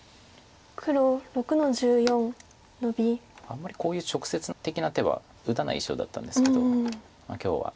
あんまりこういう直接的な手は打たない印象だったんですけど今日は。